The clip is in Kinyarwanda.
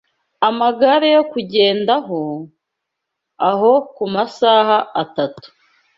amagare yo kugendaho, aho ku masaha atatu